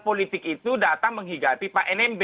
politik itu datang menghigati pak nmb